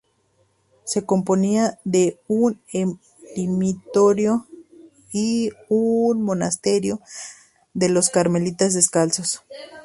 Se componía de un eremitorio y un monasterio de los carmelitas descalzos.